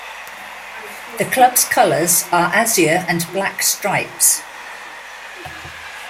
The club's colours are azure and black stripes.